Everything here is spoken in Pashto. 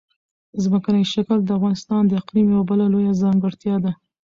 ځمکنی شکل د افغانستان د اقلیم یوه بله لویه ځانګړتیا ده.